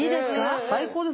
最高です。